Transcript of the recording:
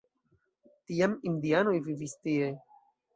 Tiam indianoj vivis tie.